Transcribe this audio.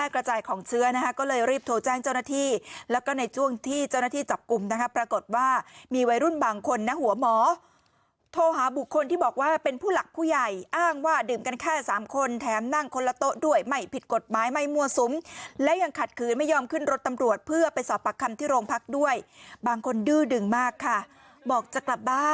แต่โควิดมันไม่ได้ลดระดับด้วยนะคะ